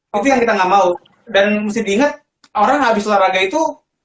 tapi yang kita gak mau dan mesti diingat orang habis olahraga itu